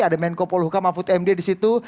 ada menko polhuka mahfud md di situ